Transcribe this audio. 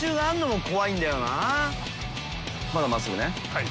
はい。